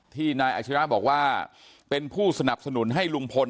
นายอาชิระบอกว่าเป็นผู้สนับสนุนให้ลุงพล